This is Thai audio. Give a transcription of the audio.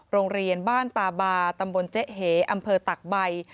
โรงเรียนบ้านตาบาตำบลเจ๊เหอำเภอตักใบ